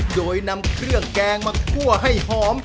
โดยนำเครื่องแกงมาคั่วให้หอม